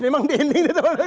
memang di ini